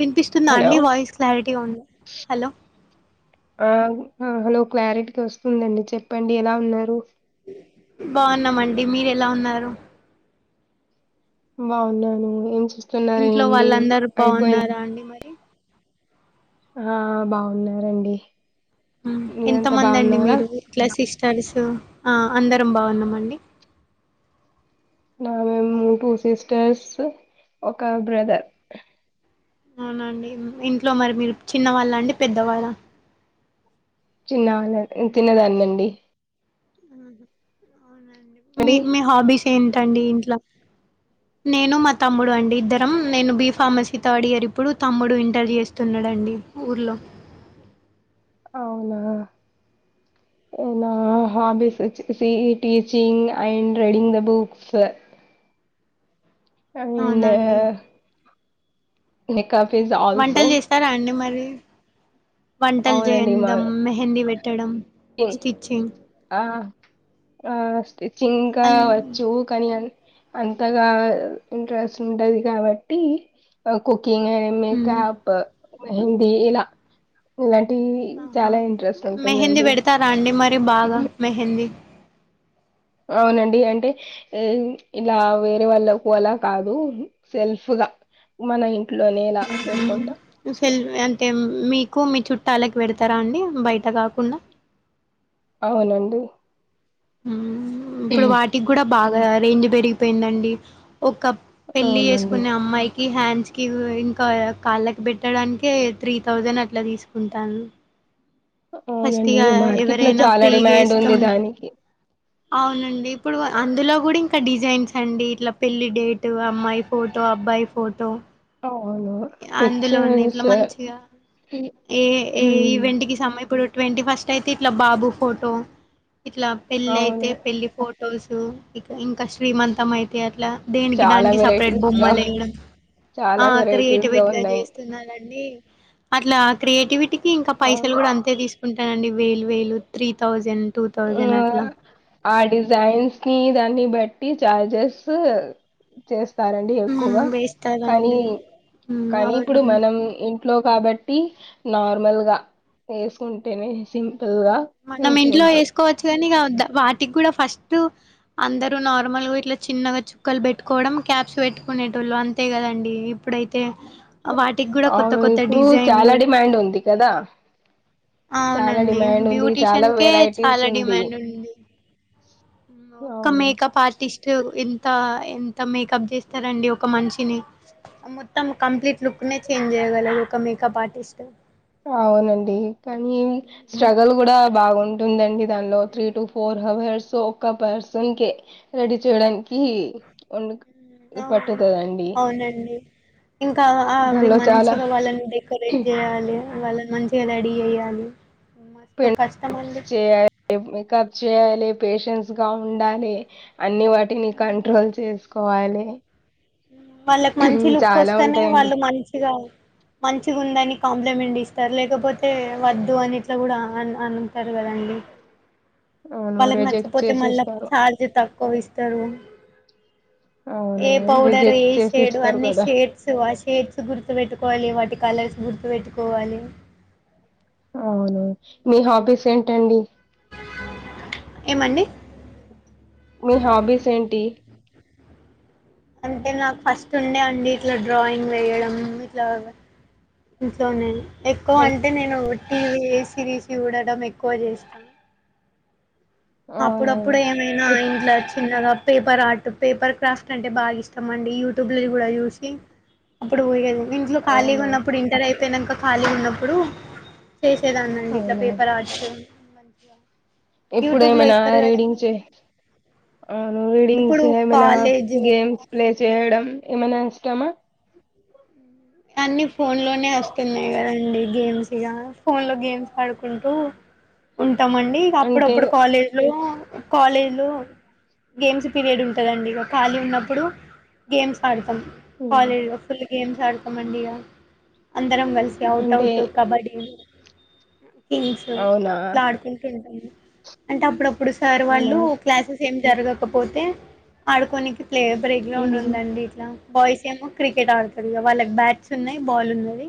వినిపిస్తుందా హలో అండి voice clarity ఉంది, హలో ఆ హలో క్లారిటీగా వస్తుందండి చెప్పండి ఎలా ఉన్నారు, బాగున్నామండి మీరు ఎలా ఉన్నారు. బాగున్నాను ఏంచేస్తా, ఇంట్లో వాళ్ళందరు బాగున్నారా అండి మరి ఆ బాగున్నారండి, ఎంత మీరంతా మంది అండి బాగున్నారా మీరు ఇట్లా సిట సిస్టర్సు అందరం బాగున్నామండి. నాకు మేము టూ సిస్టర్స్ ఒక బ్రదర్, అవునండి ఇంట్లో మరి, మీరు చిన్నవాళ్ళ అండి పెద్దవాళ్ళ చిన్న దాన్నిండి, అవునండి మీ అండి మీ హాబ్బీస్, ఏంటండి ఇంట్లో నేను మా తమ్ముడు అండి ఇద్దరం, నేను బి ఫార్మసీ థర్డ్ ఇయర్ ఇప్పుడు తమ్ముడు ఇంటర్ చేస్తున్నాడండి, ఊర్లో అవునా నా అవునండి హ్యాబిట్స్ వచ్చేసి teaching, and reading in the books, ఎనో అవునండి వంటలు చేస్తారా, అండి మరి [unintelligible] వంటలు అవునండి మా చేదాం, మెహందీ పెట్ పెట్టడం, స్టిచింగ్ ఆ ఆ స్టిచింగ్ ఇంకా అన్ వచ్చు కనీ అంతగా ఇంట్రెస్ట్ ఉంటది, కాబట్టి కొత్త ఇంకా ఎం అండీ మ్మ్ మేకప్ మెహందీ ఇలా ఇలా ఆహా మెహందీ పెడతారా అండి మరి ఎ బాగా మెహందీ, అవునండి అంటే ఇలా వేరే వాళ్ళకు అలా కాదు సెల్ఫ్గా మన ఇ ఉ యుస్లీమి అంటే మీకు ఎక్కువ మీ చుట్టాలకు పెడతారా అండి బయట కాకుండా, అవునండి హు ఇప్పుడు వాటికి కూడా బాగా రేంజ్ పెరిగిపోయిందండి ఒక పెళ్లిి అవునండి చేేసుకునే అమ్మాయి హ్యాండ్స్ కి ఇంకా కాళ్ళకి పెట్టడానికి త్రీ థౌజండ్ అట్లా తీసుకుంటాను ఫస్ట్ అవునండి ఇగ మార్కెట్ లో ఎవరైనా చాలా ఫ్రీగా డిమాండ్ ఉంది ఏస్తుం దానికి అవునండి ఇప్పుడు అందులో కూడా ఇంకా డిజైన్స్ అండి ఇట్లా పెళ్లిి డేటు అమ్మాయి ఫోటో అబ్బాయి ఫోటో అవును అందులోనే ఎట్లా పిక్చర్స్ మంచిగా ఏ ఏ ఈవెంట్ కి సమయ పడు ట్వంటీ ఫస్ట్ అయితే ఇట్లా బాబు ఫోటో ఇట్లా పెళ్లిి అయితే అవును పెళ్లిి ఫోటో చూసు ఇక ఇంకా శ్రీమంతం అయితే అట్లా దేనికి చాలా దానికి సపరేట్ వెరైటీస్ గా చాలా వెరైటీ వీటుబట్టుగా చేస్తున్నానండి అట్లా క్రియేటివిటీ ఇంకా పైస అవును కూడా అంతే తీసుకు ఉంటానండి వేలు వేలు త్రీ థౌజండ్ టూ థౌజండ్ అట్లా సైన్స్ ని దాన్ని బట్టి చార్జెస్ చేస్త స్తారండి హ్మ్ ఎక్కువగా కానీ వేస్తారండి హ్మ్ కానీ ఇప్పుడు అవును మనం ఇంట్లో కాబట్టి నార్మల్గా వేసుకుంటేనే సిం లుగా మంచిగా ఉంటాయి చ్చ కానిక వాటికి కూడా ఫస్ట్ అందరూ నార్మల్గా ఇట్లా చిన్నగా చుక్కలు పెట్టుకోవడం క్యాప్స్ పెట్టుకునేటోళ్ళు అంతే కదండి ఇప్పుడైతే వాటికి కూడా కొత్త అవును కొత్త ఇప్పుడు డిజైన్లు చాలా డిమాండ్ ఉంది కదా చాలా అవునండి డిమాండ్ ఉంది చాలా బ్యూటీషియన్కే వెరైటీస్ చాలా డిమాండ్ ఉంది ఒక్క అవును మేకప్ ఆర్టిస్ట్ ఎంత ఎంత మేకప్ చేస్తారండి ఒక మనిషిని మొత్తం కంప్లీట్ లుక్ న చేంజ్ చేయగలదు ఒక మేకప్ ఆర్టిస్ట్ అవునండి కానీ స్ట్రగల్ కూడా బాగుం ఉందండి దానిలో త్రీ టు ఫోర్ అవర్స్ ఒక పర్సన్ క రెడీ చేయడానికిం నఅవునండి ఇంకా అవి దానిలో చాలా మంచిగా వాళ్ళని డెకరేట్ చేయాలి వాళ్ళని మంచిగా రెడీ చేయాలి మ ప్ చేయాలి మేకప్ చేయాలి పేషెన్స్ గా ఉండాలి అన్ని వాటిని కంట్రోల్ చేసుకోవాలి వాళ్ళకి మంచి లుక్ చాలా వస్తేనే ఉంటాయండి వాళ్ళు మంచిగా మంచిగా ఉందని కాంపి ఎండిస్తారు లేకపోతే వద్దు అనిట్లా కూడా అంటారు కదండి అవును వాళ్ళకి రిజెక్ట్ నాచ్చిపోతే మళ్ళా చేసేస్తారు చార్జ తక్కువ ఇస్ తరు అవును పౌడర్ రిజెక్ట్ ఏ షేడ్ చేసేస్తారు అన్ని కదా షేడ్స్ ఆ షేడ్స్ గుర్తు పెెట్టుకోవాలి వాటి కలర్స్ గుర్తుపెట్టుకోవాలి అవునును మీ హాబీస్ ఏంటండి ఏమండి మీ హాబీస్ ఏంటి అంటే నాకు ఫస్ట్ ఉండే అండి ఇట్లా డ్రాయింగ్ వేయడం ఇట్లా సోనే ఎక్కువ అంటే నేను టీవీ సిరీస్ చూడడం ఎక్కువ చేస్తా అవునా అప్పుడప్పుడు ఏమైనా ఇప్ ఇంట్లో చిన్న పేపర్ ఆర్ట్ పేపర్ క్రాఫ్ట్ అంటే బాగా ఇష్టం అండి యూట్యూబ్ లో కూడా చూసి అప్పుడు పోయేది ఇంట్లో అవునా ఖాళీగాన్నప్పుడు ఇంటర్ అయి పెన్నాక ఖాళీ ఉన్నప్పుడు చేసేదాన్నిండి ఇట్లా పేపర్ ఆర్ట్స్ మంచిగా ఎప్పుడు మనా రీడింగ్ రీడింగ్స్ ఇప్పుడు మనా కాలేజ్ గేమ్స్ ప్లేస్ చేయడం ఏమనా ఇష్టమా అన్ని ఫోన్ లోనే వస్తున్నాయి కదండి గేమ్స్ ఇగా ఫోన్ లో గేమ్స్ ఆడుకుంటూ ఉం ఇస్తాంమండి ఇక అంటే అప్పుడప్పుడు కాలేజ్ లో కాలేజ్లో గేమ్స్ పీరియడ్ ఉంటుందండి ఇక ఖాళీ ఉన్నప్పుడు గేమ్స్ ఆడుతు మ్మ్ కాలేజ లో ఫుల్ గేమ్స్ ఆ మండి ఇగ అం అందరం కలిసి ఔట్ అంటే అవుట్ కబడ్డీ హింగ్స్ అవునా ఇట్లా ఆడుకుంటూ ఉంటాము అంటే అప్పుడప్ప ఇప్పుడు సార్ అవునా వాళ్ళు క్లాసెస్ ఏం జరగకపోతే ఆడుకోనే కి ప్లే బ్రేక్ గ్రౌండ్ మ్మ్ ఉందండి ఇట్లా బాయస్ ఏమో క్రికెట్డుతరు వాళ్ళ బ్యాట్స్ ఉన్నాయి బాల్ ఉన్నది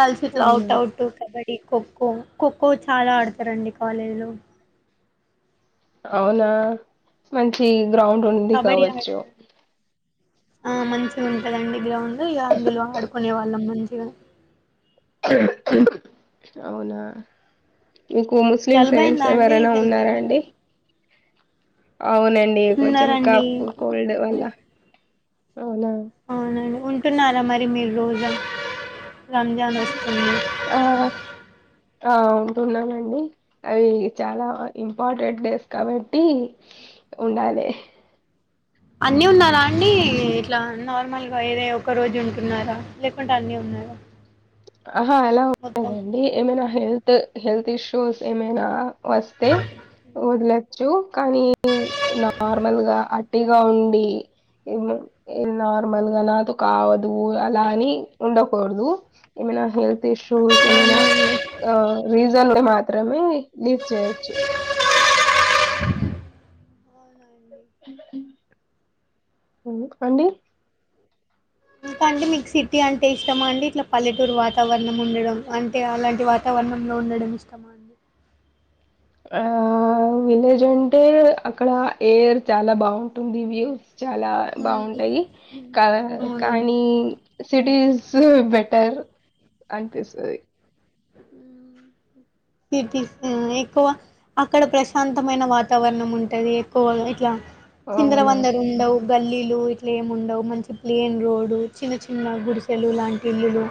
కల్చట్లు అవునా ఔట్ ఔట్ కబడ్డీ ఈ ఖో ఖో, ఖో ఖోో చాలా ఆడతారండి కాలేజీలో అవునా మంచి గ్రౌండ్ కబడ్డీ ఆడ ఉందికావచ్చు ఆ మంచిగా ఉంటుందండి గ్రౌండ్ ఇక అందులో ఆడుకునే వాళ్ళం మంచిగా అవునా మీకు ముస్లిం ఫ్రెండ్స్ జలుబయిందా అండి ఎవరనా హెల్త్ ఉన్నారా అండి అవునండి కొంచెం ఉన్నారండి కఫ్ కోల్డ్ వల్ల అవునా అవునండి ఉంటున్నారా మరి మీరు రోజ రంజాన్ వస్తుంది ఆ ఆ ఉంటున్నానండి అవి చాలా ఇంపార్టెంట్ డేస్ కాబట్టి ఉండాలి అన్నీ ఉన్నారా అండి ఇట్లా నార్మల్గా ఏదో ఒక రోజు ఉంటున్నారా లేకుంటే అన్నీ ఉన్నారా ఆహా అలా మొత్తం ఉంటదండి ఏమైనా హెల్త్ హెల్త్ ఇష్యూ షోస్ ఏమైనా వస్తే ద్ల కానీ నార్మల్ గా అటిగా ఉండి నార్మల్ గా నాతో కావదు అలా అని ఉండకూడదు ఏమ హెల్ ఇష్యూస్ ఏమైనా రీల్ మాత్రమే లీవ్ చేయొచ్చు అండి ఇంకా అండి మీకు సిటీ అంటే ఇష్టమా అండి ఇట్లా పల్లెటూరు వాతావరణం ఉండడం అంటే అలాంటి వాతావరణంలో ఉండడం ఇష్టమా అండి ఆ విలేజ్ అంటే అక్కడ ఎయిర్ చాలా బాగుంటుంది వ్యూస్ చాలా బాగుంటాయి అవునండి కానీ సిటీస్ యూ బెటర్ అనిపిస్తది సిటీస్ ఎక్కువ అక్కడ ప్రశాంతమైన వాతావరణం ఉంటది ఎక్కువ ఇట్లా చిందర అవును. వందర ఉండవు గల్లీలు ఇట్లా ఏము ఉండవు మంచి ప్లేన్ రోడ్ చిన్న చిన్న గుడిసెలు లాంటి ఇల్లులు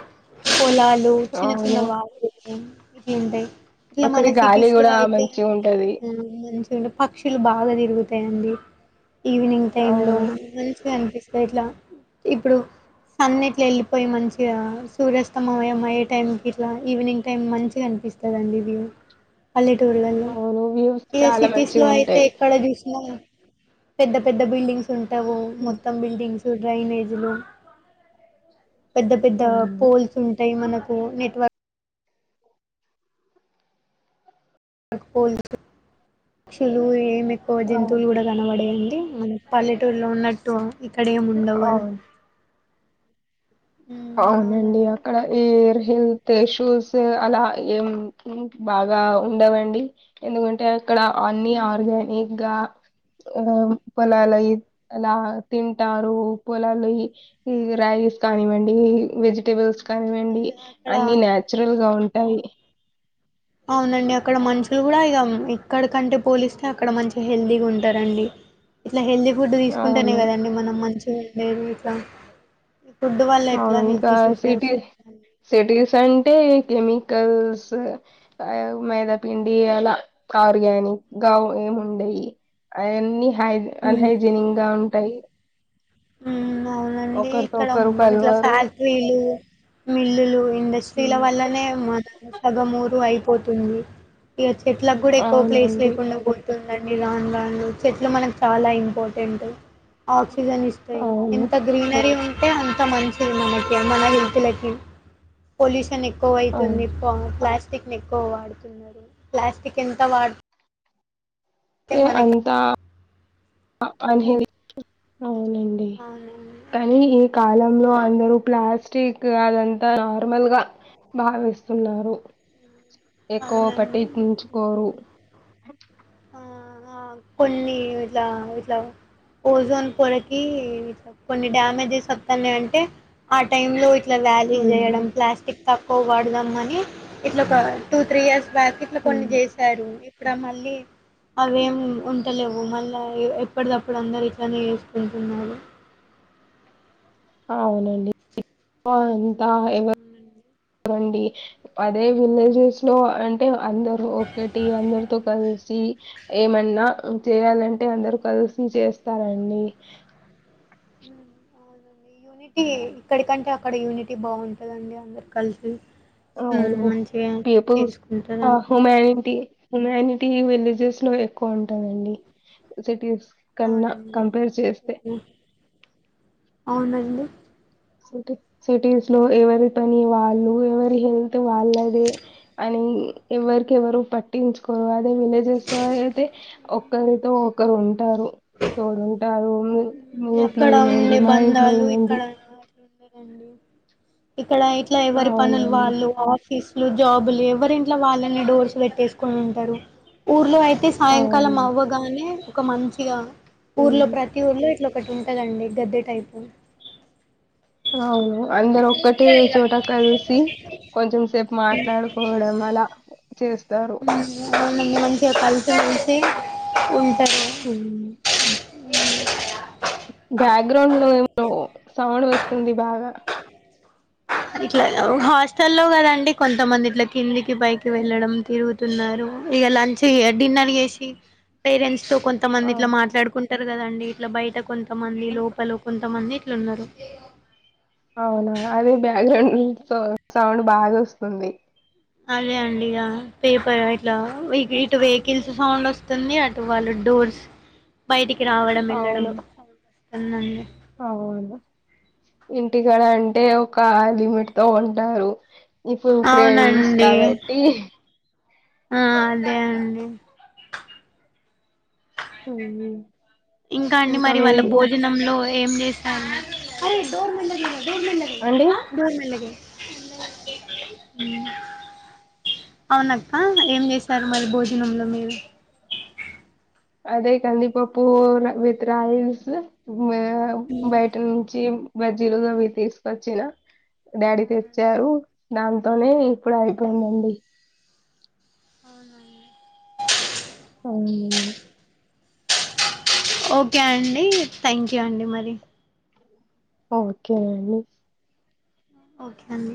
పొలాలు చిన్న చిన్న అవును. వాటి ఇదింట అక్కడి గాలి కూడా మంచి ఉంటది ఎంటే పక్షులు బాగా తిరుగుతయండి ఈవినింగ్ టైమ్ లో అవును. మంచిగా కనిపింది ఇట్లా ఇప్పుడు సన్ ఇట్లా వెళ్ళిపోయి మంచిగా సూర్యాస్తమ ఏే టైంకి ఇట్లా ఈవినింగ్ టైం మంచిగా అనిపిస్తుందిండి ఉ పల్లెటూర్లలో అవును. వ్యూస్ ఇక చాలా సిటీస్ లో అయితే మంచిగుంటాయి. ఎక్కడ చూసినా పెద్ద పెద్ద బిల్డింగ్ ఉంటావో హ్మ్. మొత్తం బిల్డింగ్స్ డ్రైనేజ్ లు పెద్ద పెద్ద అవును. పోల్స్ ఉంటాయి మన నెట్వర్ పోల్ చెల్లు ఏమి ఎక్కువ ఆ! జంతువులు కూడా కనబడవు అండి మన పల్లెటూరులో ఉన్నట్టు ఇక్కడ ఏమి ఉండవు కదా అవును. అవునండి ఎవరి కన్నా ఈ హెల్త్ ఇష్యూస్ అలా ఏం బాగా ఉండవండి ఎందుకంటే ఇక్కడ అన్ని ఉమ్ ఆర్గానిక్ గా ఆ పొలాలు అవి అలా తింటారు పొలాలు అవి ఈ రైస్ కాని ఈ వెజిటబుల్స్ కానీ ఇవ్వండి అంద- అక్కడ అన్ని నాచురల్ గా ఉన్ టయి అవునండి అక్కడ మనుషులు కూడా ఇక ఇక్కడికి అంటే పోలిస్తే అక్కడ మంచిగా హెల్దీగా ఉంటారండి ఇట్లా హెల్దీ ఫుడ్ తీసుకుంటేనే అవును కదా అండి మనం మంచిగా మేము ఇట్ల అవును ఇంకా సిటీ సిటీస్ అంటే ఇంకా మికి తస్ ఆ మైదాపిండి అలా ఆర్గానిక్ గా ఏమి ఉండేవీ అవన్నీ హై ఆన్ హైజినిక్ గా టై ఉ అవునండి ఇక్కడ ఒకరు ముజ కలవరు ఫ్యాక్టరీలు మిల్లు లు ఇండస్ట్రీ ల ఉమ్, వల్లనే [unintelligible] సగం ఊరు అయి పోతుంది ఇగ చెట్ల కి కూడా ఎక్కువ ప్లేస్ అవునండి లేకుండా పోతుంది [unintelligible] చెట్లు మనకు చాలా ఇంపార్టెంట్ ఆక్సిజన్ ఇస్ అవును ఎంత గ్రీనరీ ఉన్ యే అంత మంచిగుండట్లే మన హెల్త్ లకి పొల్యూషన్ ఎక్ టూ అవును అయితుంది పో క్లాస్ ప్లాస్టిక్ ని ఎక్కువ వాడుతున్నారు ప్లాస్టిక్ ఎంత వాడుత్ ఏ అంత అ అన్ హెల్ది అవునండి కాలంలో అందరూ ప్లాస్టిక్ అదంతా నార్మల్ గా భావిస్తున్నారు ఎక్కువ అవునండి. పట్టించుకోరు [unintelligible] ఆ ఆ కొన్ని ఇట్లా ఇట్లా ఓజోన్ పొరకి కొన్ని డ్యామేజెస్ అత్తన్నాయి అంటే ఆ టైం లో ఇట్లా వ్యాల్యూల్ ఉమ్ చేయడం ప్లాస్టిక్ తక్కువ వాడదాం అని ఇట్లా ఒక టూ త్రీ ఇయర్స్ ప్యాకెట్లు కొన్ని ఉమ్ జేసారు ఇప్ ఇప్పుడ మళ్ళీ అవేం ఉంటలేవు మళ్ళా ఎప్పటిదప్పుడు అందరు ఇట్లానే చేసుకుంటున్నారు అవునండి ఎక్కువ అంత హ్మ్. అవునండి. ఎవరుండరండి అదే విలేజెస్ లో అంటే అందరు ఒకటి అందరితో కల్సి ఏమన్నా జేయాలంటే అందరు కల్సి జేస్తారండి యూనిటీ ఇక్కడికంటే అక్కడ యూనిటీ బావుంటదండి అందరు కల్సి అవును పిపు చేసుకుంటారండి. అహుమేంటి హుమానిటీ విలేజెస్ లో ఎక్కువ ఉంటదండి సిటీస్ కన్నా అవునండి కంపేర్ చేస్తే అవునండి సిటీ సిటీస్ లో ఎవరి పని వాళ్ళు ఎవరి హెల్త్ వాళ్ళదే అని ఎవ్వరికెవ్వరు బట్ పట్టించుకోరు అదే విలేజెస్ లో అయితే ఒకరితో ఒకరు ఉం టారు తోడుంటారు మీ ఇంట్లో అక్కడ ఏమైంది మా ఇంట్లో ఏమైంది ఉండదండి డి ఇప్ ఇక్కడ ఇట్లా ఎవరి పనులు అవునండి వాళ్ళు అఫ్ ఫీసులు జాబులు ఎవరింట్లో వాళ్ళని డోర్స్ పెట్టేసుకుని ఉంటారు ఊర్లో అయిత్ తే సాయంకాలం అవునండి అవ్వగానే ఒక మంచ్ ఇగ ఊర్లో ఉమ్, ప్రతి ఊర్లే ఇట్లా అట్లుంటదండి గద్దె టైపు అవును అందరు ఒక్కటే చోట కలిసి కొంచెం సేపు మాట్లాడుకోవడం అలా. చేస్తారు ఉమ్, మంచిగా కల్చర్సి ఉంటారు. హ ఇ బ్యాక్గ్రౌండ్ లో ఏమో సౌండ్ వస్తుంది బాగా ఇట్లా హాస్టల్లో కదండి కొంతమంది ఇట్లా కిందికి పైకి వెళ్ళడం తిరుగుతున్నారు ఇక లంచ్ డిన్నర్ చేసి పేరెంట్స్. సో కొంతమంది ఇట్లా అవును మాట్లాడుకు ఉంటారు కదండి ఇట్లా బయట కొంత. కొంతమంది లోపల కొంతమంది లు ఉన్నారు అవునా అదే బ్యాక్గ్రౌండ్ సౌ సౌండ్ బాగా వస్తుంది అదే అండి ఇక పేపర్ ఇట్లా ఇటు వెహికల్స్ సౌండ్ వస్తుంది అటు వాళ్ళు డోర్స్ బయటికి. రావడం అవును వెళ్లడంస్తుడి అవును ఇంటికాడ అంటే ఒక లిమిట్ తో ఉంటారు ఇప్పుడు ఫ్రెండ్స్ అవునండి కాబట్టి ఆ అదే అండి అ ఇంకా అండి మరి వాళ్ళ భోజనంలో ఏం చేస్తారు బో మనగే అండి బోర్ మనే అవునక్క ఏం చేశారు మరి భోజనంలో మీరు. అదే కందిప పూ విత్ రయిల్స్. మ బయట నుంచి బజ్జీలుగా అవి తీసుకొచ్చిన డాడీ తెచ్చారు దాంతోనే ఇప్పుడు అయిపోయిందండి. అవునండి అవును ఓకే అండి థ్యాంక్ యూ అండి మరి ఓకేనండి ఓకే నండి